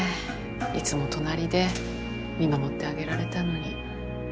いつも隣で見守ってあげられたのに。